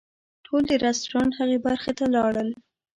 ټول د رسټورانټ هغې برخې ته لاړل.